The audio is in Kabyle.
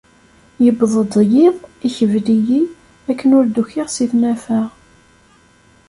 Yewweḍ-d yiḍ ikbel-iyi akken ur d-ukiɣ si tnafa.